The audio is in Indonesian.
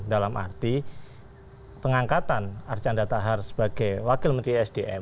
dalam arti pengangkatan archandra tahar sebagai wakil menteri sdm